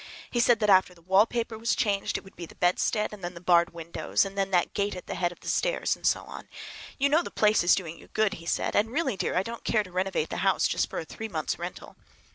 He said that after the wallpaper was changed it would be the heavy bedstead, and then the barred windows, and then that gate at the head of the stairs, and so on. "You know the place is doing you good," he said, "and really, dear, I don't care to renovate the house just for a three months' rental."